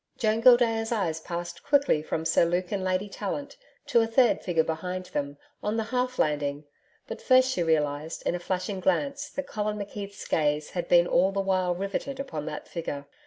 Joan Gildea's eyes passed quickly from Sir Luke and Lady Tallant to a third figure behind them, on the half landing, but first she realised in a flashing glance that Colin McKeith's gaze had been all the while riveted upon that figure.